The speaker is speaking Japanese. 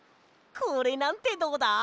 これなんてどうだ？